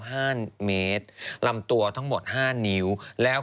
ปลาหมึกแท้เต่าทองอร่อยทั้งชนิดเส้นบดเต็มตัว